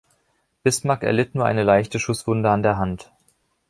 Bismarck erlitt nur eine leichte Schusswunde an der Hand.